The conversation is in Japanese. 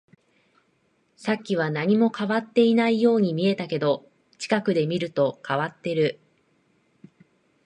さっきは何も変わっていないように見えたけど、近くで見ると変わっている